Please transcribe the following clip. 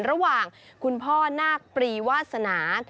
ระหว่างคุณพ่อนาคปรีวาสนา